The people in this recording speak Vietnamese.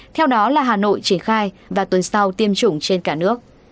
theo đó là hà nội triển khai và tuần sau tiêm chủng trên cả nước